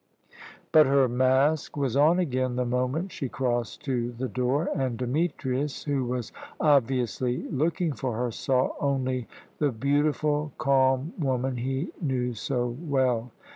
But her mask was on again the moment she crossed to the door, and Demetrius, who was obviously looking for her, saw only the beautiful, calm woman he knew so well.